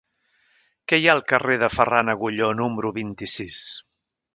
Què hi ha al carrer de Ferran Agulló número vint-i-sis?